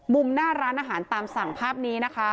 หน้าร้านอาหารตามสั่งภาพนี้นะคะ